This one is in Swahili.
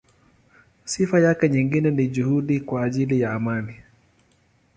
Sifa yake nyingine ni juhudi kwa ajili ya amani.